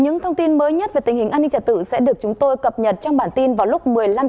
những thông tin mới nhất về tình hình an ninh trật tự sẽ được chúng tôi cập nhật trong bản tin vào lúc một mươi năm h